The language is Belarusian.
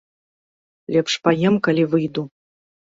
Лепш паем, калі выйду.